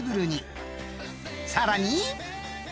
［さらに］